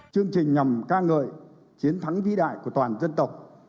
chương trình nhằm ca ngợi chiến thắng vĩ đại của toàn dân tộc